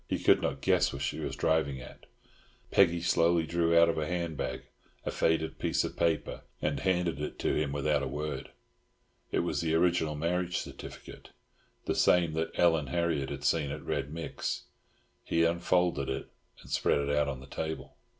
He could not guess what she was driving at. Peggy slowly drew out of a handbag a faded piece of paper and handed it to him without a word. It was the original marriage certificate, the same that Ellen Harriott had seen at Red Mick's. He unfolded it and spread it out on the table.